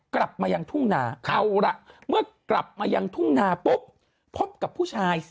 กลับมายังทุ่งนาเอาล่ะเมื่อกลับมายังทุ่งนาปุ๊บพบกับผู้ชาย